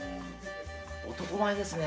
男前ですね。